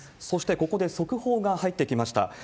そして、ここで速報が入ってきました。